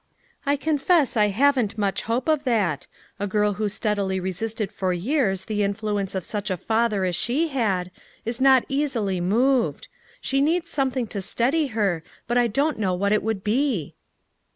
"I confess I haven't much hope of that; a 70 FOUR MOTHERS AT CHAUTAUQUA girl who steadily resisted for years the in fluence of such a father as she had, is not easily moved. She needs something to steady her but I don't know what it would be."